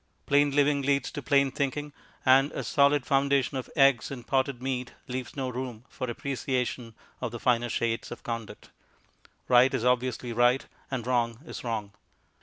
Plain living leads to plain thinking, and a solid foundation of eggs and potted meat leaves no room for appreciation of the finer shades of conduct; Right is obviously Right, and Wrong is Wrong.